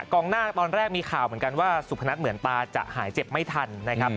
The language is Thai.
กองหน้าตอนแรกมีข่าวเหมือนกันว่าสุพนัทเหมือนตาจะหายเจ็บไม่ทันนะครับ